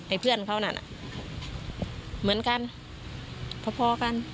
เพื่อนเขานั่นน่ะเหมือนกันพอกัน